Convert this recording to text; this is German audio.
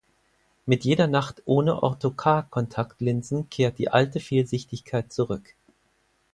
Mit jeder Nacht ohne Ortho-K-Kontaktlinsen kehrt die alte Fehlsichtigkeit zurück.